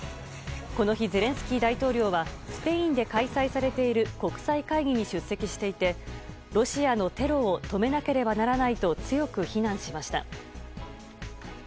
この日、ゼレンスキー大統領はスペインで開催されている国際会議に出席していてロシアのテロを止めなければならないと強く非難しました。